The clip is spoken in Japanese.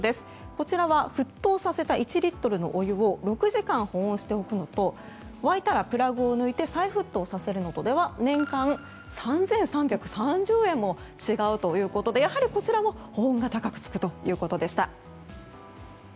こちらは沸騰させた１リットルの湯を６時間、保温しておくのと沸いたらプラグを抜いて再沸騰させるのとでは年間３３３０円も違うということでやはりこちらも保温が高くつくということでした。